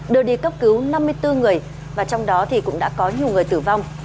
đưa đi cấp cứu năm mươi bốn người và trong đó thì cũng đã có nhiều người tử vong